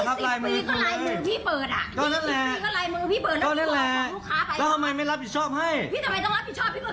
แล้วมาบอกว่าพี่เปิดเป็นคุณนั่นแหละของฉันตาย